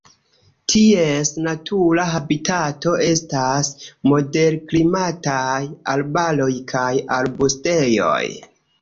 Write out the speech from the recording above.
Ties natura habitato estas moderklimataj arbaroj kaj arbustejoj.